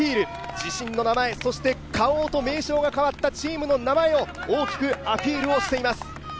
自身の名前、Ｋａｏと名称が変わったチームの名前を大きくアピールをしています。